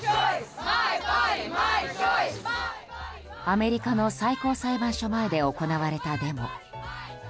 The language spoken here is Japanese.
アメリカの最高裁判所前で行われたデモ。